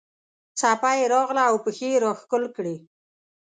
څپه یې راغله او پښې یې راښکل کړې.